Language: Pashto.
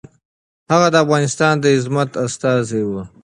هغه د افغانستان د عظمت استازی و.